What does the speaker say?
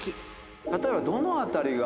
例えばどのあたりが？